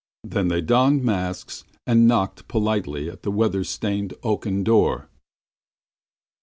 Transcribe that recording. Then they donned masks and knocked politely at the weather stained oaken door.